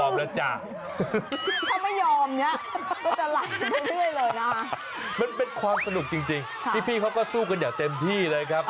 มันเป็นความสนุกจริงพี่เขาก็สู้กันอย่างเต็มที่เลยครับ